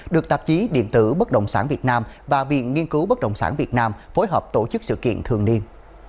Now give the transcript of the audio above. được tạp chí điện tử bất động sản việt nam và viện nghiên cứu bất động sản việt nam phối hợp tổ chức sự kiện thường niên